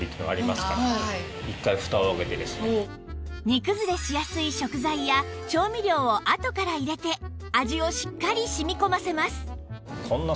煮崩れしやすい食材や調味料をあとから入れて味をしっかり染み込ませます